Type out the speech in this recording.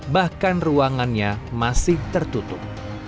bahkan ruangannya masih tertutup